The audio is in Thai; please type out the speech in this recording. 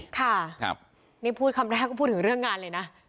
ค่ะนี่พูดคำแรกก็พูดถึงเรื่องงานเลยนะ